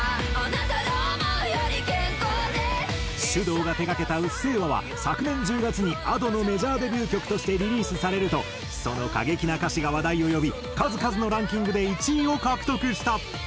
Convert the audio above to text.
ｓｙｕｄｏｕが手掛けた『うっせぇわ』は昨年１０月にＡｄｏのメジャーデビュー曲としてリリースされるとその過激な歌詞が話題を呼び数々のランキングで１位を獲得した。